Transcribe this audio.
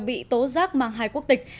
bị tố giác mang hai quốc tịch